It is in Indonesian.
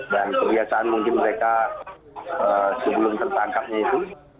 dan kebiasaan mungkin mereka sebelum tertangkapnya itu